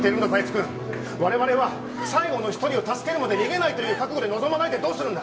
君我々は最後の一人を助けるまで逃げないという覚悟で臨まないでどうするんだ！